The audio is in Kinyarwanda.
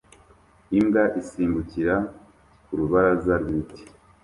Imbwa isimbukira ku rubaraza rw'ibiti